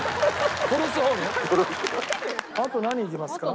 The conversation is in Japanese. あと何いきますか？